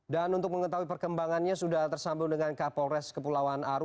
dan untuk mengetahui perkembangannya sudah tersambung dengan kapolres kepulauan aru